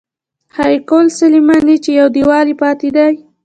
هیکل سلیماني چې یو دیوال یې پاتې دی.